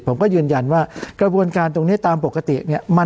ผมก็ยืนยันว่ากระบวนการตรงนี้ตามปกติเนี่ย